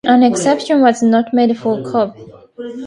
An exception was not made for Cobb.